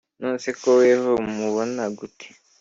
nonese koko weho umubona gute?